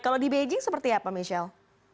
kalau di beijing seperti apa michelle